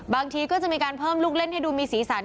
บางทีก็จะมีการเพิ่มลูกเล่นให้ดูมีสีสัน